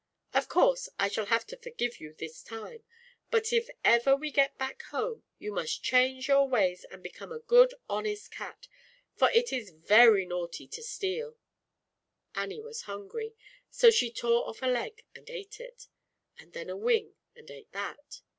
Of course, I shall have to forgive you this time, but if ever we get back home, you must change your ways and become^? good honest cat, for it is very naughty to steal." V fit /*_Jr Annie was hungry, so she tore off a leg and ate it, and then a wing and ate that.